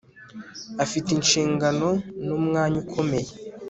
afite inshingano nu mwanya ukomeye